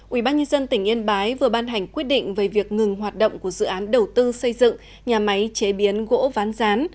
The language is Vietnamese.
ubnd tỉnh yên bái vừa ban hành quyết định về việc ngừng hoạt động của dự án đầu tư xây dựng nhà máy chế biến gỗ ván rán